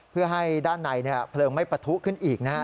เพื่อให้ด้านในเพลิงไม่ปะทุขึ้นอีกนะฮะ